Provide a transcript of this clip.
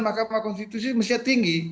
makamah konstitusi mesti tinggi